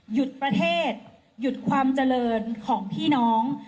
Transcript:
หยุดประเทศหยุดความเจริญของพี่น้อง